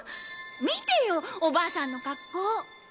見てよお婆さんの格好！